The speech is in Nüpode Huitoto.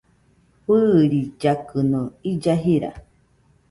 Fɨɨrillakɨno illa jira